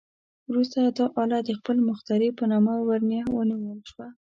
وروسته دا آله د خپل مخترع په نامه ورنیه ونومول شوه.